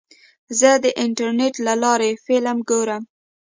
زه د انټرنیټ له لارې فلم ګورم.